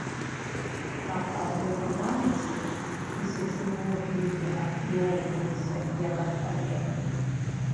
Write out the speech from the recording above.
Каб ад гэтай памяці тысячы год людзі адплёўваліся, як ад халеры.